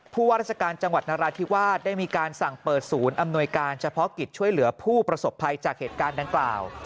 ผู้ว่าราชการจังหวัดนราธิวาสได้มีการสั่งเปิดศูนย์อำนวยการเฉพาะกิจช่วยเหลือผู้ประสบภัยจากเหตุการณ์ดังกล่าว